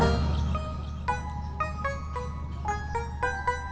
terima kasih ya